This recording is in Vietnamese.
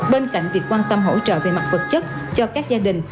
bên cạnh việc quan tâm hỗ trợ về mặt vật chất cho các gia đình